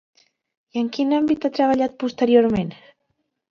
I en quin àmbit ha treballat posteriorment?